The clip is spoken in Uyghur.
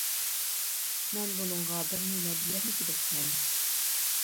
- مەن بۇنىڭغا بىر نېمە دېيەلمىگۈدەكمەن.